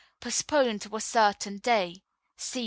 Postpone to a Certain Day ………..